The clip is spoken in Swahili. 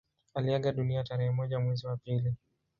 Aliaga dunia tarehe moja mwezi wa pili